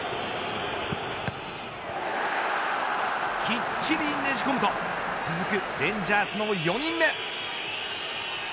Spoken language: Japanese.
きっちりねじ込むと続くレンジャーズの４人目。